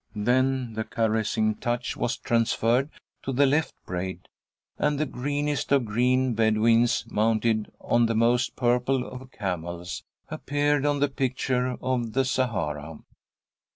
Then the caressing touch was transferred to the left braid, and the greenest of green Bedouins, mounted on the most purple of camels, appeared on the picture of the Sahara.